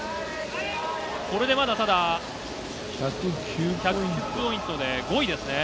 これでまだ、ただ、１０９ポイントで５位ですね。